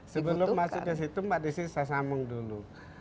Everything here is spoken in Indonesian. sebelum masuk ke situ mbak desi saya sambung dulu